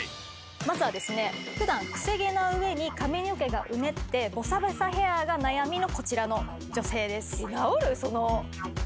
まずはですね普段クセ毛な上に髪の毛がうねってボサボサヘアが悩みのこちらの女性です。